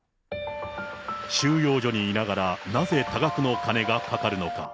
収容所にいながら、なぜ、多額の金がかかるのか。